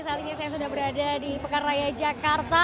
saat ini saya sudah berada di pekan raya jakarta